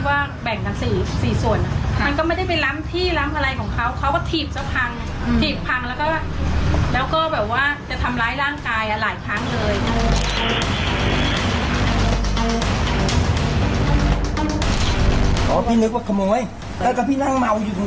ปากกับภูมิปากกับภูมิ